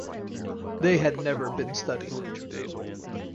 They had never been studied.